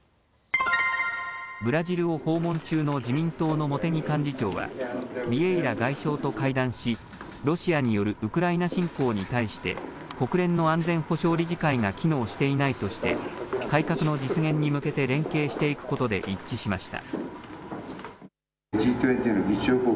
ブラジルを訪問中の自民党の茂木幹事長はビエイラ外相と会談しロシアによるウクライナ侵攻に対して国連の安全保障理事会が機能していないとして改革の実現に向けて連携していくことで一致しました。